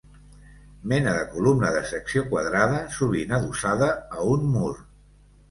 Mena de columna de secció quadrada, sovint adossada a un mur.